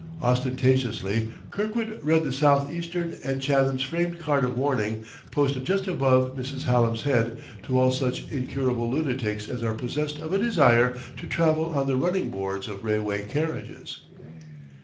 Ostentatiously Kirkwood read the South Eastern and Chatham's framed card of warning, posted just above Mrs. Hallam's head, to all such incurable lunatics as are possessed of a desire to travel on the running boards of railway carriages.